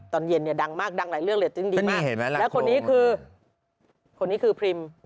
ตอนเย็นเนี่ยดังมากดังหลายเรื่องเรตติ้งดีมากแล้วคนนี้คือคนนี้คือพรีม